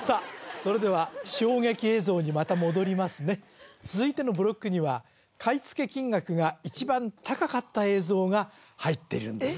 それでは衝撃映像にまた戻りますね続いてのブロックには買付金額が一番高かった映像が入ってるんです